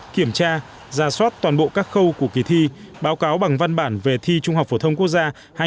kiểm tra ra soát toàn bộ các khâu của kỳ thi báo cáo bằng văn bản về thi trung học phổ thông quốc gia